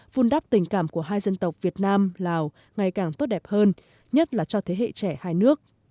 vun đắp tình cảm của hai dân tộc việt nam lào ngày càng tốt đẹp hơn nhất là cho thế hệ trẻ hai nước